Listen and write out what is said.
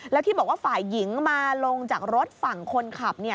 แล้วที่บอกว่าฝ่ายหญิงมาลงจากรถฝั่งคนขับ